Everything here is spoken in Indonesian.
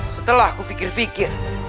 setelah ku fikir fikir